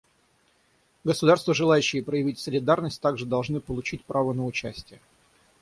Государства, желающие проявить солидарность, также должны получить право на участие.